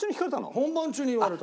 本番中に言われた。